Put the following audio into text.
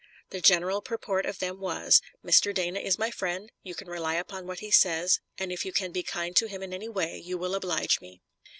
The general purport of them was: "Mr. Dana is my friend; you can rely upon what he says, and if you can be kind to him in any way you will oblige me."